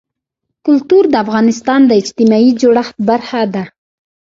کلتور د افغانستان د اجتماعي جوړښت برخه ده.